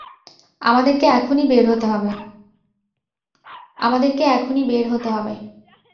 আমাদেরকে এখনি বের হতে হবে।